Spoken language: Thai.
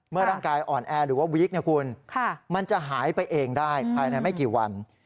เมื่อร่างกายอ่อนแอร์หรือว่าวิกมันจะหายไปเองได้ภายในไม่กี่วัน